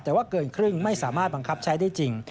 แต่ว่าเกินครึ่งไม่สามารถบังคับใช้ได้จริง